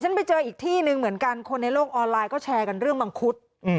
ไปเจออีกที่หนึ่งเหมือนกันคนในโลกออนไลน์ก็แชร์กันเรื่องมังคุด